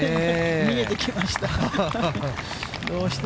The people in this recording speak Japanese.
逃げてきました。